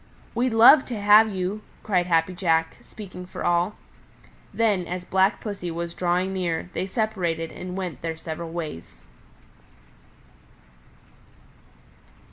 "We'd love to have you!" cried Happy Jack, speaking for all. Then, as Black Pussy was drawing near, they separated and went their several ways.